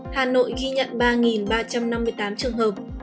hà nội ghi nhận ba ba trăm năm mươi tám trường hợp